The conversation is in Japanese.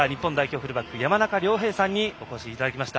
フルバック山中亮平さんにお越しいただきました。